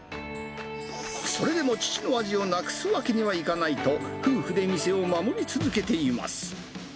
それでも父の味をなくすわけにはいかないと、夫婦で店を守り続けています。